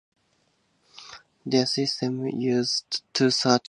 Their system used two such antennas, typically triangular loops, arranged at right angles.